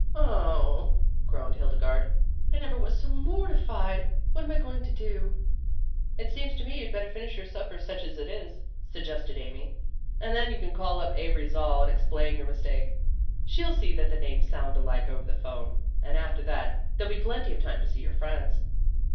"0," groaned Hildegarde, "I never was so mortified. What am I going to do ?" "It seems to me you'd better finish your sup per, such as it is," suggested Amy. "And then you can call up Avery Zall and explain your mistake. She'll see that the names sound alike over the phone. And after that there'll be plenty of time to see your friends."